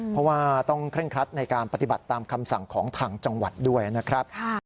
เพราะว่าต้องเคร่งครัดในการปฏิบัติตามคำสั่งของทางจังหวัดด้วยนะครับ